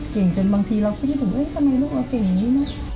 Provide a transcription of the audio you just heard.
จนบางทีเราก็คิดถึงทำไมลูกเราเก่งอย่างนี้นะ